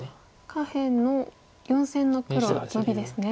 下辺の４線の黒ノビですね。